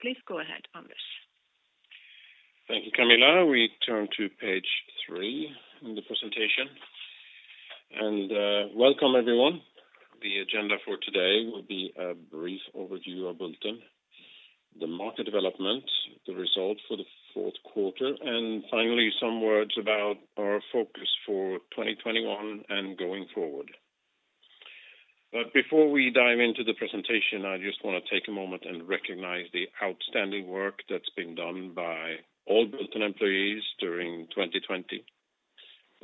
Please go ahead, Anders. Thank you, Camilla. We turn to page three in the presentation. Welcome everyone. The agenda for today will be a brief overview of Bulten, the market development, the result for the fourth quarter, and finally, some words about our focus for 2021 and going forward. Before we dive into the presentation, I just want to take a moment and recognize the outstanding work that's been done by all Bulten employees during 2020.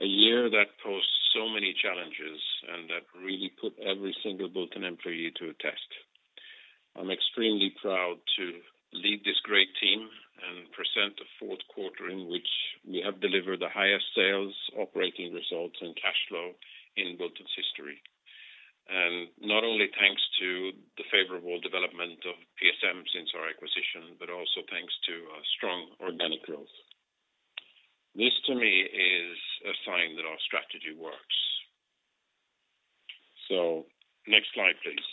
A year that posed so many challenges and that really put every single Bulten employee to a test. I'm extremely proud to lead this great team and present a fourth quarter in which we have delivered the highest sales, operating results, and cash flow in Bulten's history. Not only thanks to the favorable development of PSM since our acquisition, but also thanks to our strong organic growth. This to me is a sign that our strategy works. Next slide, please.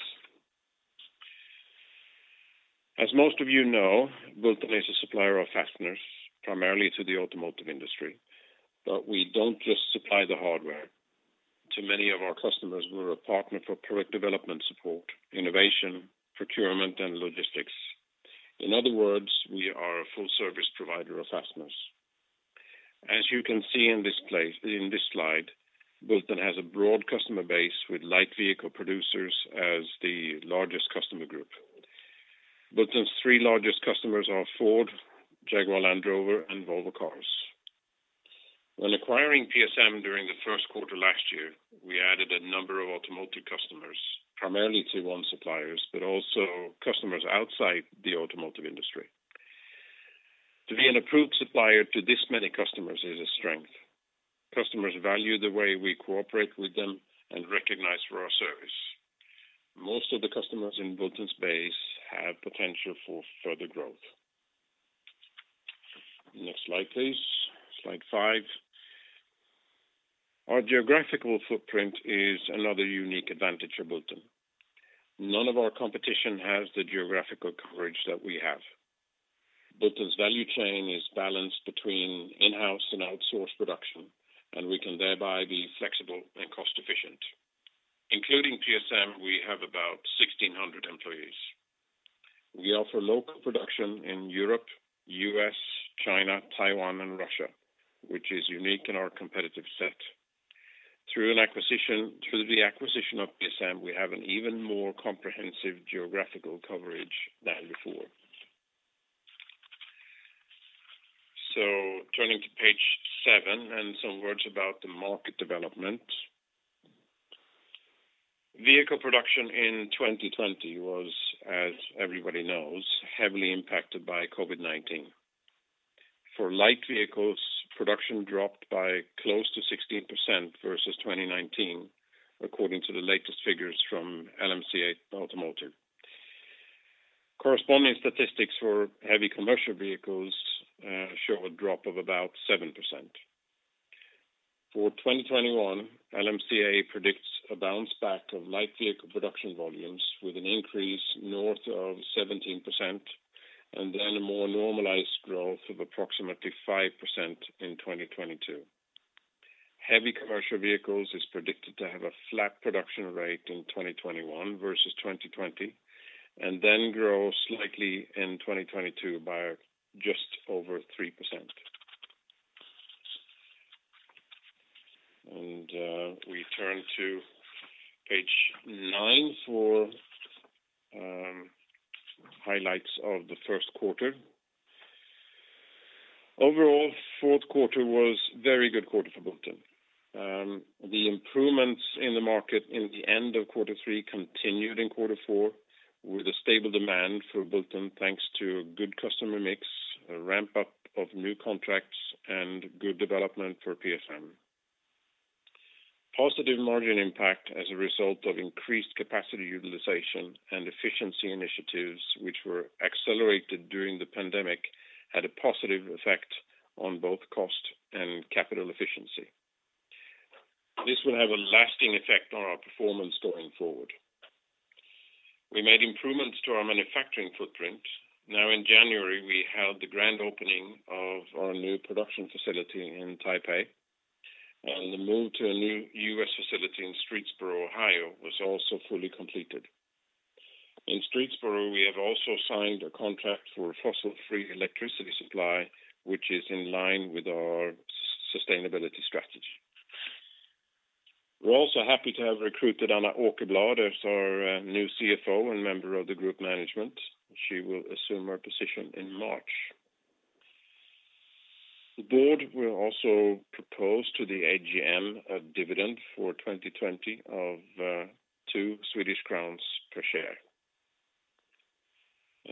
As most of you know, Bulten is a supplier of fasteners primarily to the automotive industry. We don't just supply the hardware. To many of our customers, we're a partner for product development support, innovation, procurement, and logistics. In other words, we are a Full Service Provider of fasteners. As you can see in this slide, Bulten has a broad customer base with light vehicle producers as the largest customer group. Bulten's three largest customers are Ford, Jaguar Land Rover, and Volvo Cars. When acquiring PSM during the first quarter last year, we added a number of automotive customers, primarily Tier 1 suppliers, but also customers outside the automotive industry. To be an approved supplier to this many customers is a strength. Customers value the way we cooperate with them and recognize our service. Most of the customers in Bulten's base have potential for further growth. Next slide, please. Slide five. Our geographical footprint is another unique advantage for Bulten. None of our competition has the geographical coverage that we have. Bulten's value chain is balanced between in-house and outsourced production. We can thereby be flexible and cost efficient. Including PSM, we have about 1,600 employees. We offer local production in Europe, U.S., China, Taiwan, and Russia, which is unique in our competitive set. Through the acquisition of PSM, we have an even more comprehensive geographical coverage than before. Turning to page seven. Some words about the market development. Vehicle production in 2020 was, as everybody knows, heavily impacted by COVID-19. For light vehicles, production dropped by close to 16% versus 2019, according to the latest figures from LMC Automotive. Corresponding statistics for heavy commercial vehicles show a drop of about 7%. For 2021, LMC predicts a bounce back of light vehicle production volumes with an increase north of 17%, and then a more normalized growth of approximately 5% in 2022. Heavy commercial vehicles is predicted to have a flat production rate in 2021 versus 2020, then grow slightly in 2022 by just over 3%. We turn to page nine for highlights of the first quarter. Overall, fourth quarter was very good quarter for Bulten. The improvements in the market in the end of quarter three continued in quarter four with a stable demand for Bulten, thanks to a good customer mix, a ramp-up of new contracts, and good development for PSM. Positive margin impact as a result of increased capacity utilization and efficiency initiatives which were accelerated during the pandemic, had a positive effect on both cost and capital efficiency. This will have a lasting effect on our performance going forward. We made improvements to our manufacturing footprint. Now in January, we held the grand opening of our new production facility in Taipei, and the move to a new U.S. facility in Streetsboro, Ohio, was also fully completed. In Streetsboro, we have also signed a contract for a fossil-free electricity supply, which is in line with our sustainability strategy. We are also happy to have recruited Anna Åkerblad as our new CFO and member of the group management. She will assume her position in March. The board will also propose to the AGM a dividend for 2020 of 2 Swedish crowns per share.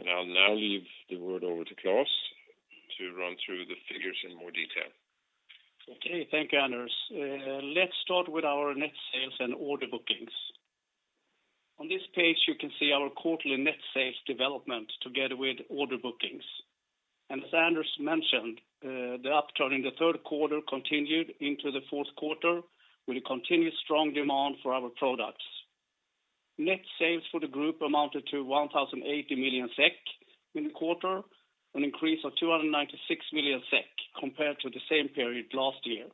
I'll now leave the word over to Claes to run through the figures in more detail. Okay. Thank you, Anders. Let's start with our net sales and order bookings. On this page, you can see our quarterly net sales development together with order bookings. As Anders mentioned, the upturn in the third quarter continued into the fourth quarter with a continued strong demand for our products. Net sales for the group amounted to 1,080 million SEK in the quarter, an increase of 296 million SEK compared to the same period last year,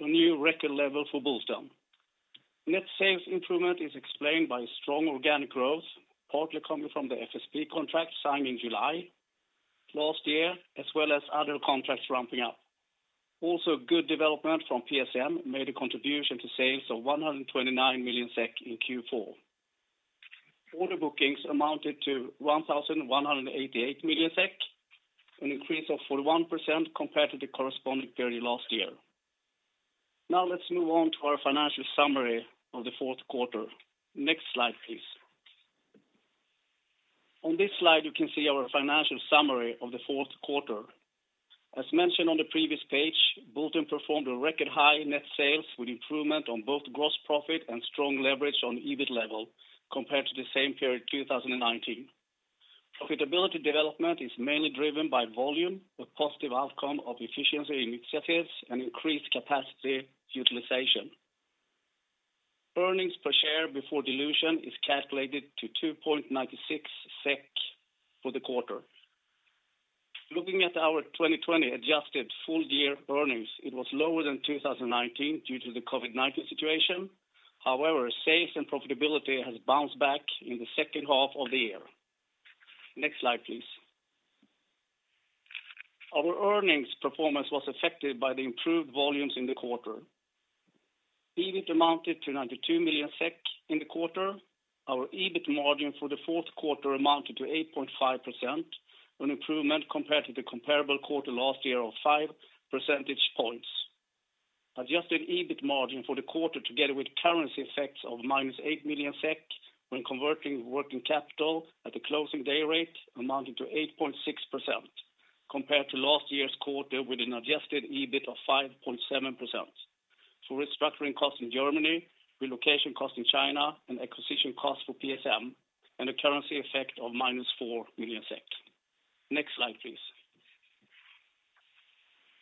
a new record level for Bulten. Net sales improvement is explained by strong organic growth, partly coming from the FSP contract signed in July last year, as well as other contracts ramping up. Also, good development from PSM made a contribution to sales of 129 million SEK in Q4. Order bookings amounted to 1,188 million SEK, an increase of 41% compared to the corresponding period last year. Now let's move on to our financial summary of the fourth quarter. Next slide, please. On this slide, you can see our financial summary of the fourth quarter. As mentioned on the previous page, Bulten performed a record high net sales with improvement on both gross profit and strong leverage on EBIT level compared to the same period 2019. Profitability development is mainly driven by volume, the positive outcome of efficiency initiatives, and increased capacity utilization. Earnings per share before dilution is calculated to 2.96 SEK for the quarter. Sales and profitability has bounced back in the second half of the year. Our earnings performance was affected by the improved volumes in the quarter. EBIT amounted to 92 million SEK in the quarter. Our EBIT margin for the fourth quarter amounted to 8.5%, an improvement compared to the comparable quarter last year of five percentage points. Adjusted EBIT margin for the quarter, together with currency effects of minus 8 million SEK when converting working capital at the closing day rate amounting to 8.6%, compared to last year's quarter with an adjusted EBIT of 5.7%. Restructuring costs in Germany, relocation costs in China, and acquisition costs for PSM, and a currency effect of minus 4 million SEK. Next slide, please.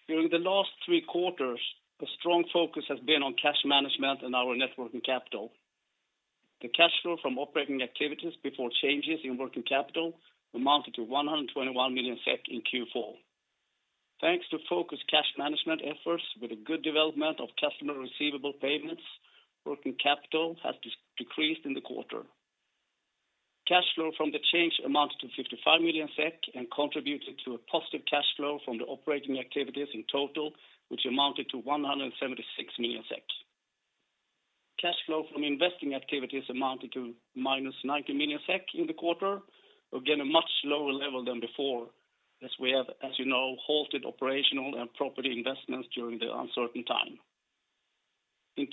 During the last three quarters, a strong focus has been on cash management and our net working capital. The cash flow from operating activities before changes in working capital amounted to 121 million SEK in Q4. Thanks to focused cash management efforts with the good development of customer receivable payments, working capital has decreased in the quarter. Cash flow from the change amounted to 55 million SEK and contributed to a positive cash flow from the operating activities in total, which amounted to 176 million SEK. Cash flow from investing activities amounted to minus 90 million SEK in the quarter. A much lower level than before, as we have, as you know, halted operational and property investments during the uncertain time. The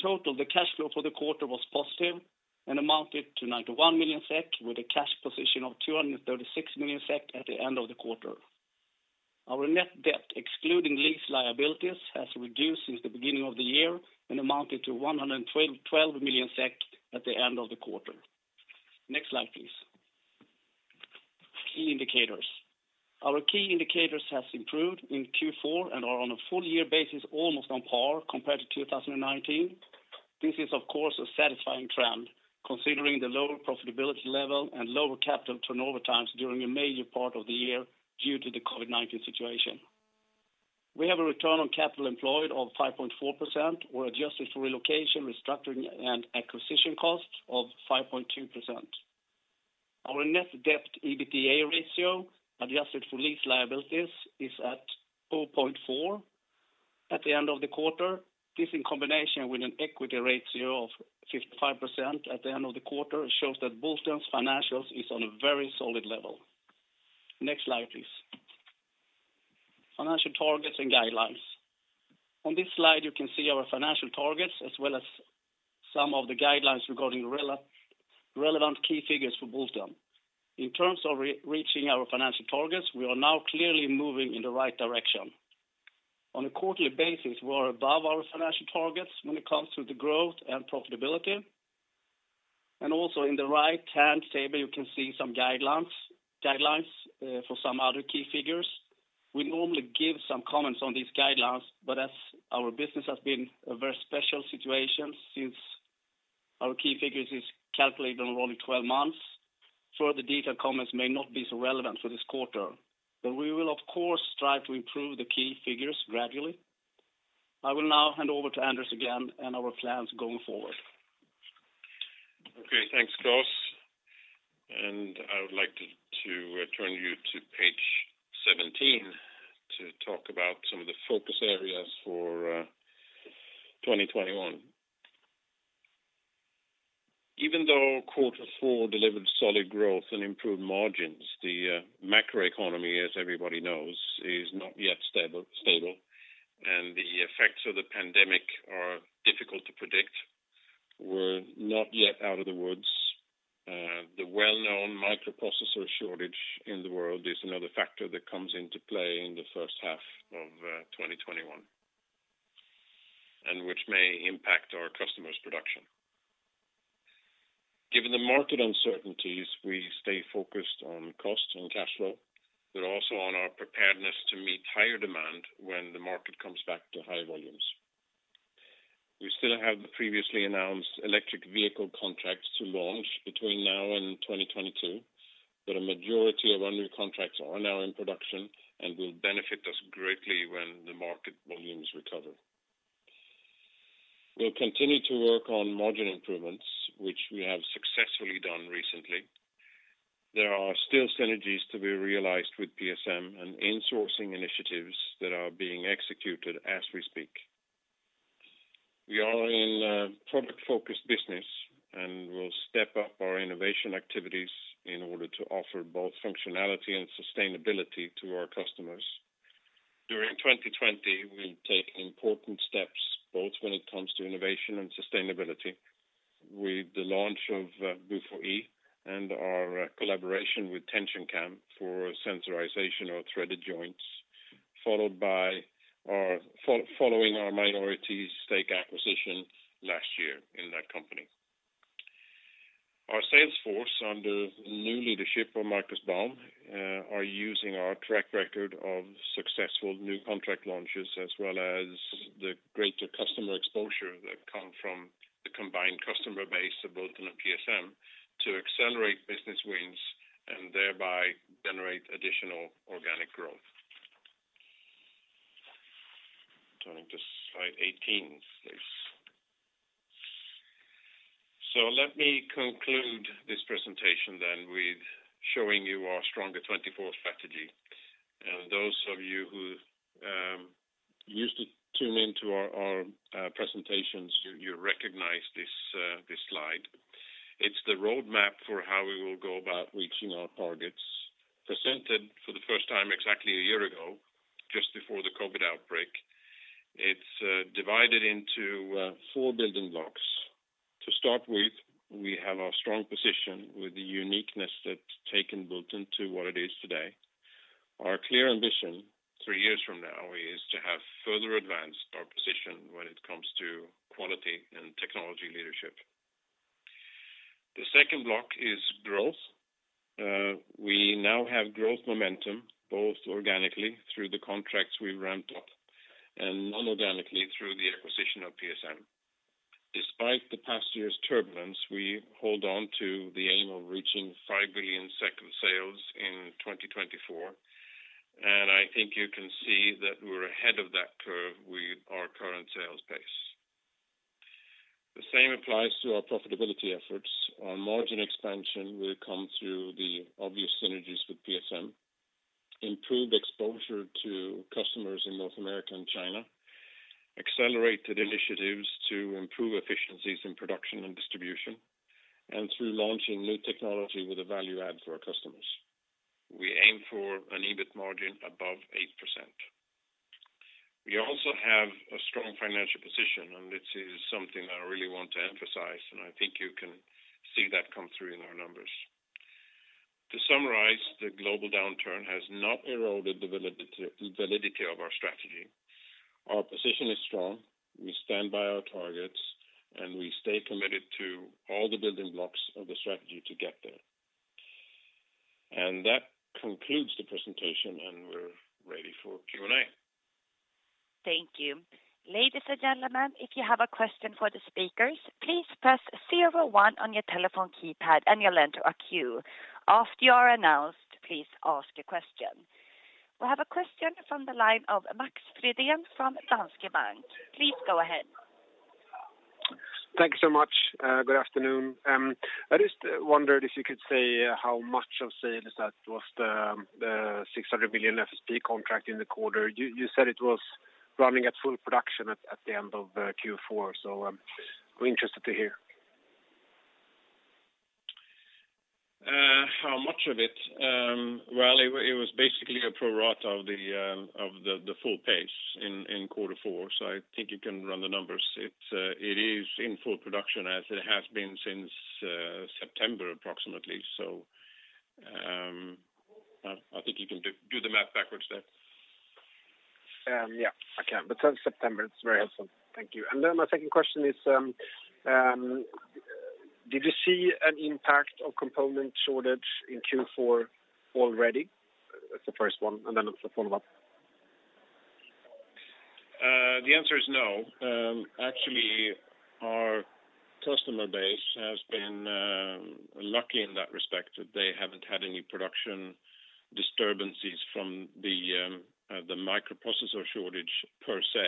cash flow for the quarter was positive and amounted to 91 million SEK, with a cash position of 236 million SEK at the end of the quarter. Our net debt, excluding lease liabilities, has reduced since the beginning of the year and amounted to 112 million SEK at the end of the quarter. Next slide, please. Key indicators. Our key indicators has improved in Q4 and are on a full-year basis, almost on par compared to 2019. This is, of course, a satisfying trend, considering the lower profitability level and lower capital turnover times during a major part of the year due to the COVID-19 situation. We have a return on capital employed of 5.4% or adjusted for relocation, restructuring, and acquisition costs of 5.2%. Our net debt EBITDA ratio, adjusted for lease liabilities, is at 0.4 at the end of the quarter. This, in combination with an equity ratio of 55% at the end of the quarter, shows that Bulten's financials is on a very solid level. Next slide, please. Financial targets and guidelines. On this slide, you can see our financial targets as well as some of the guidelines regarding relevant key figures for Bulten. In terms of reaching our financial targets, we are now clearly moving in the right direction. On a quarterly basis, we are above our financial targets when it comes to the growth and profitability. Also in the right-hand table, you can see some guidelines for some other key figures. We normally give some comments on these guidelines, but as our business has been a very special situation since our key figures is calculated on only 12 months, further detailed comments may not be so relevant for this quarter. We will, of course, strive to improve the key figures gradually. I will now hand over to Anders again and our plans going forward. Okay. Thanks, Claes. I would like to turn you to page 17 to talk about some of the focus areas for 2021. Even though quarter four delivered solid growth and improved margins, the macroeconomy, as everybody knows, is not yet stable, and the effects of the pandemic are difficult to predict. We're not yet out of the woods. The well-known semiconductor shortage in the world is another factor that comes into play in the first half, which may impact our customers' production. Given the market uncertainties, we stay focused on cost and cash flow, also on our preparedness to meet higher demand when the market comes back to high volumes. We still have the previously announced electric vehicle contracts to launch between now and 2022, a majority of our new contracts are now in production and will benefit us greatly when the market volumes recover. We'll continue to work on margin improvements, which we have successfully done recently. There are still synergies to be realized with PSM and insourcing initiatives that are being executed as we speak. We are in a product-focused business, and we'll step up our innovation activities in order to offer both functionality and sustainability to our customers. During 2020, we'll take important steps both when it comes to innovation and sustainability with the launch of BUFOe and our collaboration with TensionCam for sensorization of threaded joints, following our minority stake acquisition last year in that company. Our sales force, under new leadership of Markus Baum, are using our track record of successful new contract launches, as well as the greater customer exposure that come from the combined customer base of Bulten and PSM to accelerate business wins and thereby generate additional organic growth. Turning to slide 18, please. Let me conclude this presentation then with showing you our Stronger 24 strategy. Those of you who used to tune into our presentations, you recognize this slide. It's the roadmap for how we will go about reaching our targets. Presented for the first time exactly a year ago, just before the COVID-19 outbreak. It's divided into four building blocks. To start with, we have our strong position with the uniqueness that's taken Bulten to what it is today. Our clear ambition three years from now is to have further advanced our position when it comes to quality and technology leadership. The second block is growth. We now have growth momentum, both organically through the contracts we ramped up, and non-organically through the acquisition of PSM. Despite the past year's turbulence, we hold on to the aim of reaching 5 billion sales in 2024. I think you can see that we're ahead of that curve with our current sales pace. The same applies to our profitability efforts. Our margin expansion will come through the obvious synergies with PSM, improved exposure to customers in North America and China, accelerated initiatives to improve efficiencies in production and distribution, and through launching new technology with a value add for our customers. We aim for an EBIT margin above 8%. We also have a strong financial position. This is something I really want to emphasize, and I think you can see that come through in our numbers. To summarize, the global downturn has not eroded the validity of our strategy. Our position is strong. We stand by our targets, and we stay committed to all the building blocks of the strategy to get there. That concludes the presentation, and we're ready for Q&A. Thank you. Ladies and gentlemen, if you have a question for the speakers, please press zero one on your telephone keypad, and you'll enter a queue. After you are announced, please ask a question. We have a question from the line of Max Frydén from Danske Bank. Please go ahead. Thank you so much. Good afternoon. I just wondered if you could say how much of sales that was the 600 million FSP contract in the quarter. You said it was running at full production at the end of Q4, so, I'm interested to hear. How much of it? Well, it was basically a pro rata of the full pace in quarter four. I think you can run the numbers. It is in full production as it has been since September approximately. I think you can do the math backwards there. Yeah, I can. Since September, it's very helpful. Thank you. My second question is, did you see an impact of component shortage in Q4 already? That's the first one. The follow-up. The answer is no. Actually, our customer base has been lucky in that respect that they haven't had any production disturbances from the semiconductor shortage per se.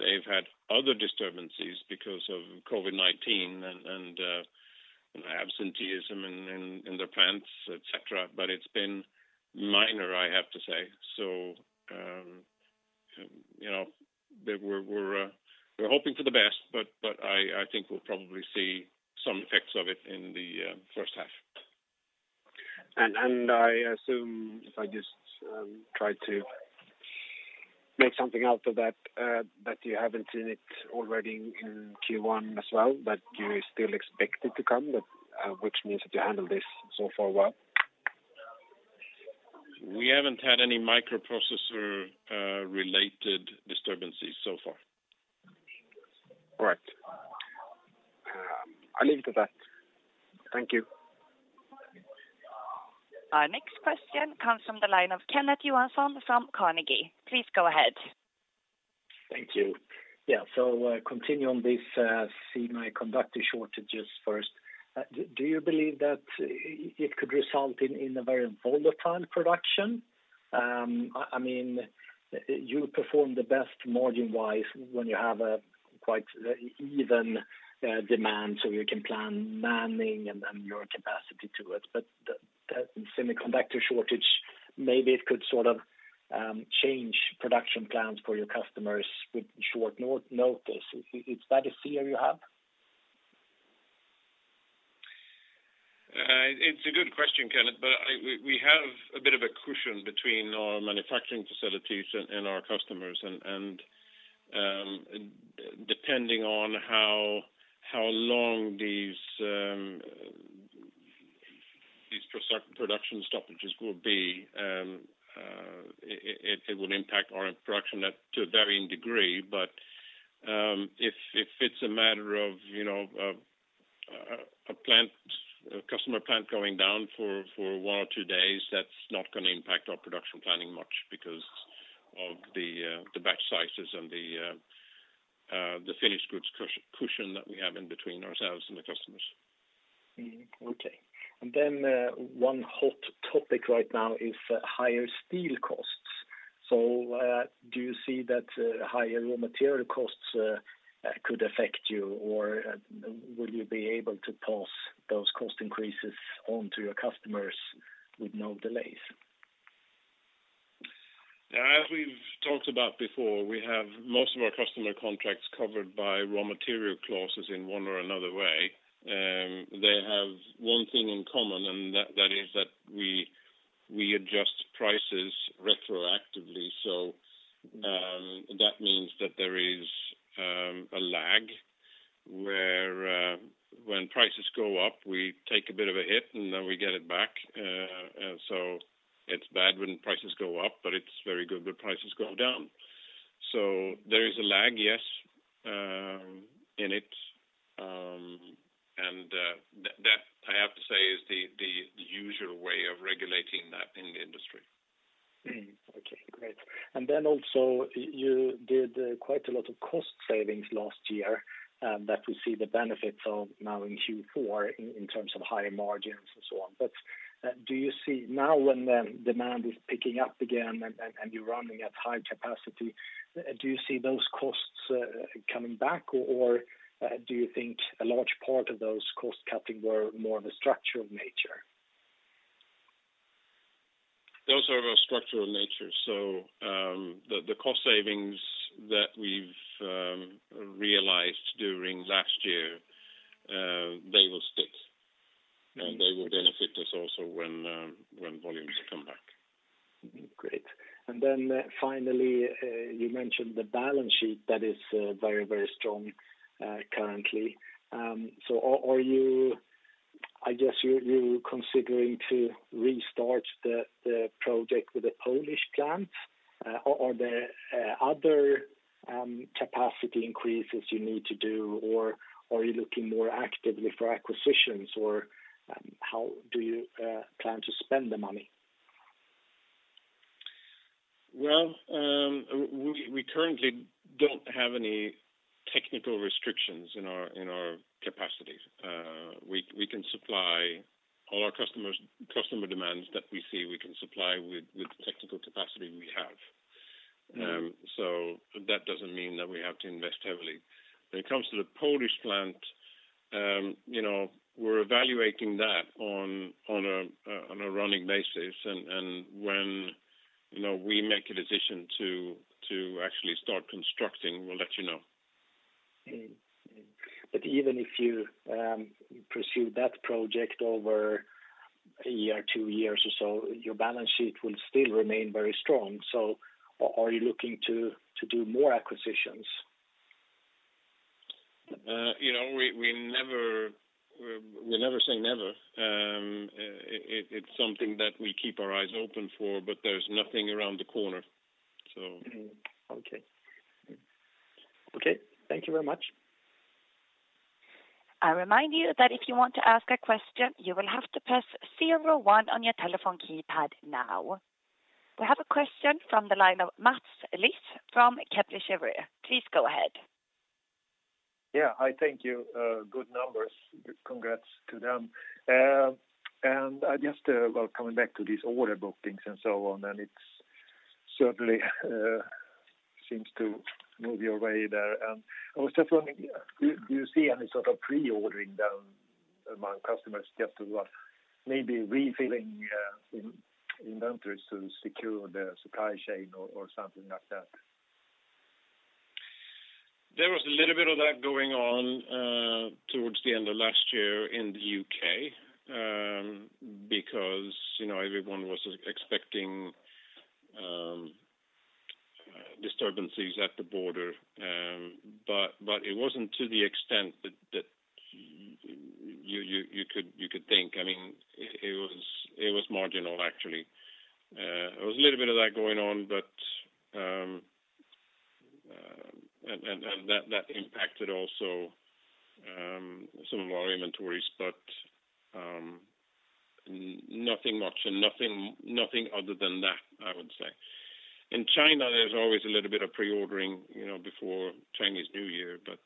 They've had other disturbances because of COVID-19 and absenteeism in their plants, et cetera, but it's been minor, I have to say. We're hoping for the best, but I think we'll probably see some effects of it in the first half. I assume if I just try to make something out of that you haven't seen it already in Q1 as well, but you still expect it to come, which means that you handle this so far well? We haven't had any microprocessor-related disturbances so far. All right. I leave it at that. Thank you. Our next question comes from the line of Kenneth Johansson from Carnegie. Please go ahead. Thank you. Continuing on this semiconductor shortages first. Do you believe that it could result in a very volatile production? You perform the best margin-wise when you have a quite even demand, you can plan manning your capacity to it. The semiconductor shortage, maybe it could sort of change production plans for your customers with short notice. Is that a fear you have? It's a good question, Kenneth, we have a bit of a cushion between our manufacturing facilities and our customers, and depending on how long these production stoppages will be it will impact our production to a varying degree. If it's a matter of a customer plant going down for one or two days, that's not going to impact our production planning much because of the batch sizes and the finished goods cushion that we have in between ourselves and the customers. Okay. One hot topic right now is higher steel costs. Do you see that higher raw material costs could affect you, or will you be able to pass those cost increases on to your customers with no delays? As we've talked about before, we have most of our customer contracts covered by raw material clauses in one or another way. They have one thing in common, and that is that we adjust prices retroactively. That means that there is a lag where when prices go up, we take a bit of a hit, and then we get it back. It's bad when prices go up, but it's very good when prices go down. There is a lag, yes in it. That, I have to say, is the usual way of regulating that in the industry. Okay, great. Also, you did quite a lot of cost savings last year that we see the benefits of now in Q4 in terms of higher margins and so on. Now when demand is picking up again and you're running at high capacity, do you see those costs coming back, or do you think a large part of those cost cutting were more of a structural nature? Those are of a structural nature, so the cost savings that we've realized during last year they will stick, and they will benefit us also when volumes come back. Great. Then finally, you mentioned the balance sheet that is very strong currently. I guess you're considering to restart the project with the Polish plant. Are there other capacity increases you need to do, or are you looking more actively for acquisitions, or how do you plan to spend the money? Well, we currently don't have any technical restrictions in our capacity. All our customer demands that we see, we can supply with the technical capacity we have. That doesn't mean that we have to invest heavily. When it comes to the Polish plant, we're evaluating that on a running basis, and when we make a decision to actually start constructing, we'll let you know. Even if you pursue that project over a year or two years or so, your balance sheet will still remain very strong. Are you looking to do more acquisitions? We never say never. It's something that we keep our eyes open for, but there's nothing around the corner. Okay. Thank you very much. I remind you that if you want to ask a question, you will have to press zero one on your telephone keypad now. We have a question from the line of Mats Liss from Kepler Cheuvreux. Please go ahead. Yeah. Hi, thank you. Good numbers. Congrats to them. Well, coming back to these order book things and so on, it certainly seems to move your way there. I was just wondering, do you see any sort of pre-ordering among customers just to maybe refilling inventories to secure the supply chain or something like that? There was a little bit of that going on towards the end of last year in the U.K. because everyone was expecting disturbances at the border, but it wasn't to the extent that you could think. It was marginal actually. There was a little bit of that going on, and that impacted also some of our inventories, but nothing much, and nothing other than that, I would say. In China, there's always a little bit of pre-ordering before Chinese New Year, but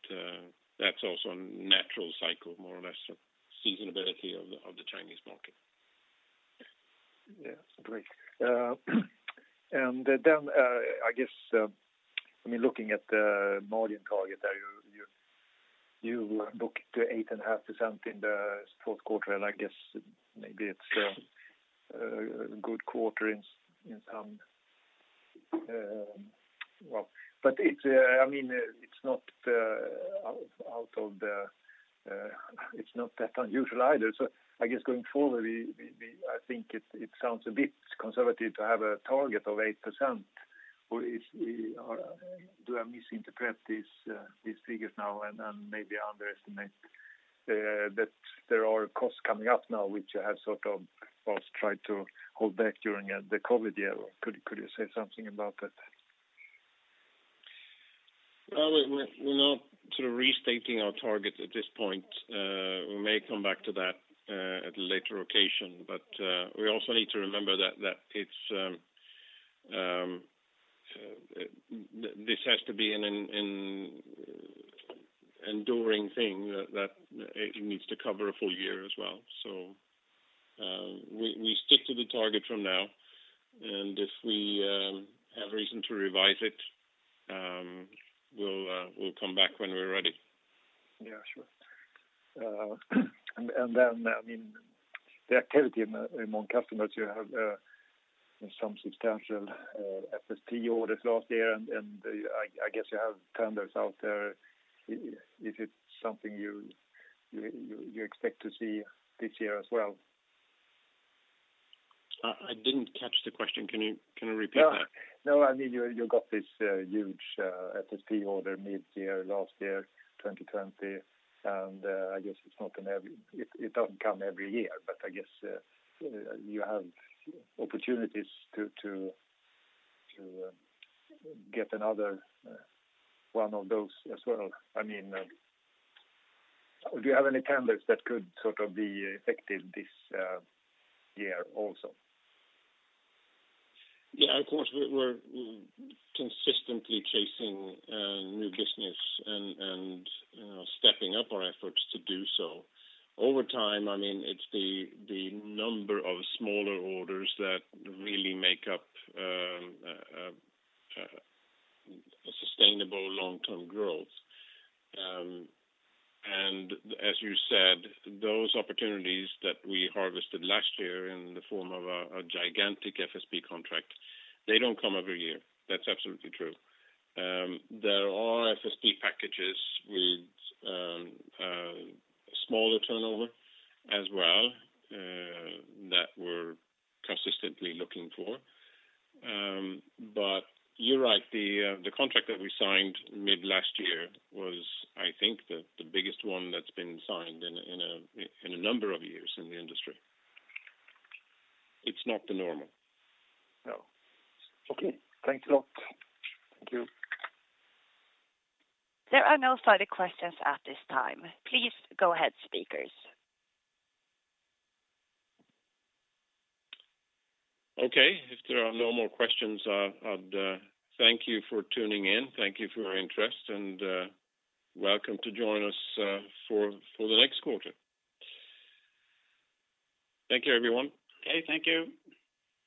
that's also a natural cycle, more or less, seasonality of the Chinese market. Yes. Great. I guess, looking at the margin target there, you book the 8.5% in the fourth quarter, I guess maybe it's a good quarter in some Well, it's not that unusual either. I guess going forward, I think it sounds a bit conservative to have a target of 8%, or do I misinterpret these figures now and maybe underestimate that there are costs coming up now, which you have sort of first tried to hold back during the COVID era? Could you say something about that? Well, we're not restating our targets at this point. We may come back to that at a later occasion. We also need to remember that this has to be an enduring thing that needs to cover a full year as well. We stick to the target from now, and if we have reason to revise it, we'll come back when we're ready. Yeah, sure. The activity among customers, you have some substantial FSP orders last year, and I guess you have tenders out there. Is it something you expect to see this year as well? I didn't catch the question. Can you repeat that? You got this huge FSP order mid-year last year, 2020, and I guess it doesn't come every year, but I guess you have opportunities to get another one of those as well. Do you have any tenders that could be effective this year also? Yeah, of course, we're consistently chasing new business and stepping up our efforts to do so. Over time, it's the number of smaller orders that really make up a sustainable long-term growth. As you said, those opportunities that we harvested last year in the form of a gigantic FSP contract, they don't come every year. That's absolutely true. There are FSP packages with smaller turnover as well, that we're consistently looking for. You're right, the contract that we signed mid last year was, I think, the biggest one that's been signed in a number of years in the industry. It's not the normal. No. Okay. Thanks a lot. Thank you. There are no further questions at this time. Please go ahead, speakers. If there are no more questions, I'd thank you for tuning in. Thank you for your interest, welcome to join us for the next quarter. Thank you, everyone. Okay. Thank you.